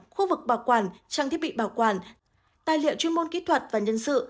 khu vực bảo quản trang thiết bị bảo quản tài liệu chuyên môn kỹ thuật và nhân sự